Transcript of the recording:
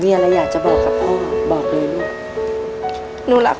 ก็ไม่อยากให้แกทำงานหนัก